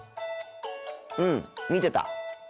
うん見てた。